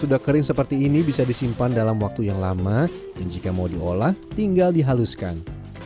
sudah kering seperti ini bisa disimpan dalam waktu yang lama dan jika mau diolah tinggal dihaluskan